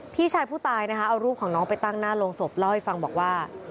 พี่ชายผู้ตายนะคะเอารูปของน้องไปตั้งหน้าโรงศพเล่าให้ฟังบอกว่า